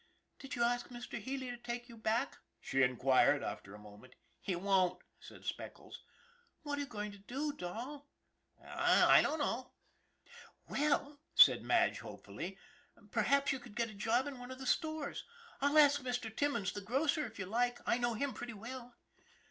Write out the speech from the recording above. " Did you ask Mr. Healy to take you back ?" she inquired, after a moment. " He won't," said Speckles. " What are you going to do, Dol? " "I dunno." " Well," said Madge, hopefully, " perhaps you could get a job in one of the stores. I'll ask Mr. Timmons, the grocer, if you like. I know him pretty well."